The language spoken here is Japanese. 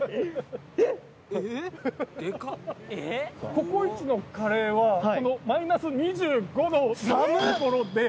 ココイチのカレーはこのマイナス２５度の所で。